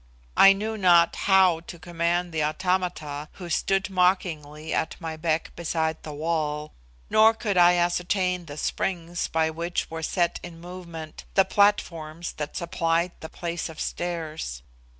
I knew not how to command the automata who stood mockingly at my beck beside the wall, nor could I ascertain the springs by which were set in movement the platforms that supplied the place of stairs.